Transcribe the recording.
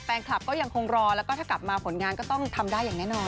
แฟนคลับก็ยังคงรอแล้วก็ถ้ากลับมาผลงานก็ต้องทำได้อย่างแน่นอน